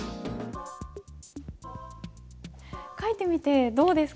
書いてみてどうですか？